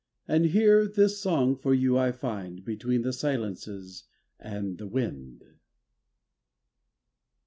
And here this song for you I find Between the silence and the wind.